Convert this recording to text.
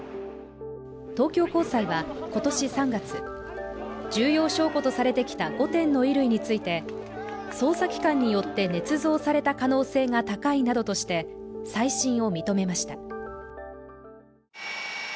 東京高裁は今年３月、重要証拠とされてきた５点の衣類について、捜査機関によってねつ造された可能性が高いなどとして、再審を認めました。